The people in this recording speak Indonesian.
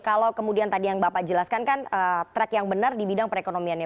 kalau kemudian tadi yang bapak jelaskan track yang benar dibidang perekonomiannya